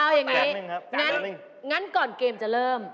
เอาอย่างนี้งั้นก่อนเกมจะเริ่ม